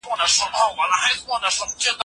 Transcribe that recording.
د ایران شاه یو پردي استازي ته خپله کمزوري وښوده.